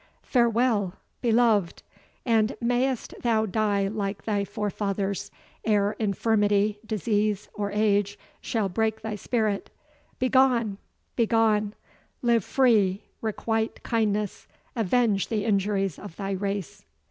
Farewell, beloved! and mayst thou die like thy forefathers, ere infirmity, disease, or age, shall break thy spirit Begone! begone! live free requite kindness avenge the injuries of thy race!"